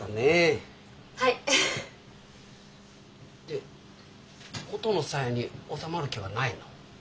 で元のさやに納まる気はないの？